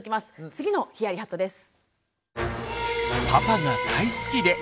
次のヒヤリハットです。